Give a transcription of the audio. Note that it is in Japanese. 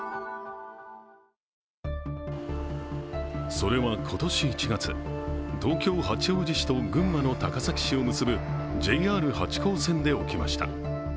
それは今年１月、東京・八王子市と群馬の高崎市を結ぶＪＲ八高線で起きました。